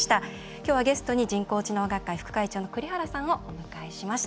今日はゲストに人工知能学会副会長の栗原さんをお迎えしました。